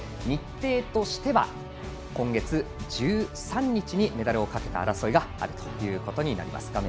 日程としては今月１３日にメダルをかけた争いがあるということになります。